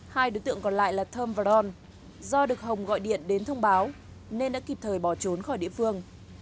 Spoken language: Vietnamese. hai đối tượng còn lại là thơm và đòn do được hồng gọi điện đến thông báo nên đã kịp thời bỏ trốn khỏi địa phương